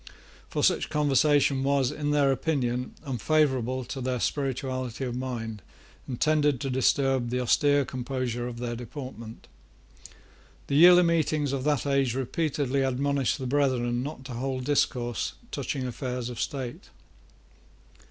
For such conversation was, in their opinion, unfavourable to their spirituality of mind, and tended to disturb the austere composure of their deportment. The yearly meetings of that age repeatedly admonished the brethren not to hold discourse touching affairs of state.